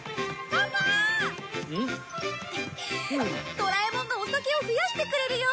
ドラえもんがお酒を増やしてくれるよ！